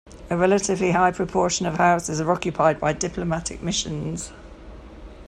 A relatively high proportion of houses are occupied by diplomatic missions.